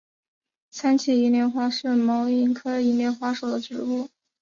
二歧银莲花是毛茛科银莲花属的植物。